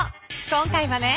今回はね